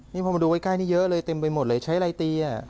นี่พอมาดูใกล้นี่เยอะเลยเต็มไปหมดเลยใช้อะไรตี